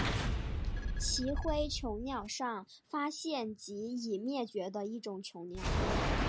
奇辉椋鸟上发现及已灭绝的一种椋鸟。